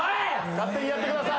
勝手にやってください。